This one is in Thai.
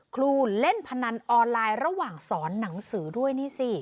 ครูเล่นพนันออนไลน์ระหว่างสอนหนังสือด้วยนี่สิ